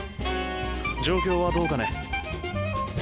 状況はどうかね？